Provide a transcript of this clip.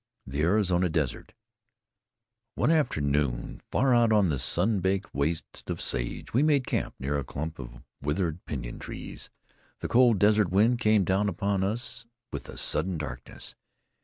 THE ARIZONA DESERT One afternoon, far out on the sun baked waste of sage, we made camp near a clump of withered pinyon trees. The cold desert wind came down upon us with the sudden darkness.